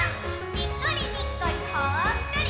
にっこりにっこりほっこり！